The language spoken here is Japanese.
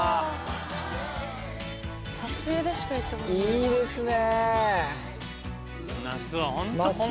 いいですね！